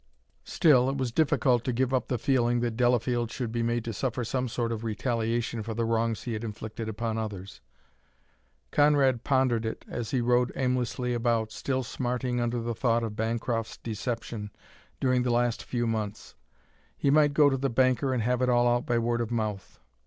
Still, it was difficult to give up the feeling that Delafield should be made to suffer some sort of retaliation for the wrongs he had inflicted upon others. Conrad pondered it as he rode aimlessly about, still smarting under the thought of Bancroft's deception during the last few months. He might go to the banker and have it all out by word of mouth.